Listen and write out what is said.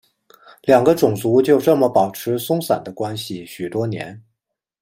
两个种族就这么保持松散的关系许多年。